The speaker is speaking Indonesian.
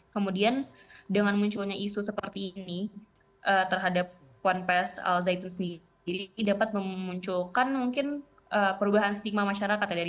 kemudian dengan munculnya isu seperti ini terhadap puan pes al zaitun sendiri dapat memunculkan mungkin perubahan stigma masyarakat ya